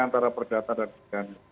antara perdata dan pidana